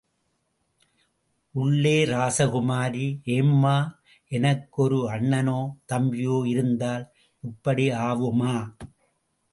உள்ளே ராசகுமாரி, ஏம்மா.. எனக்கு ஒரு அண்ணனோ தம்பியோ இருந்தால் இப்படி ஆவுமா...